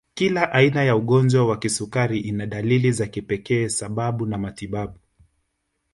Kila aina ya ugonjwa wa kisukari ina dalili za kipekee sababu na matibabu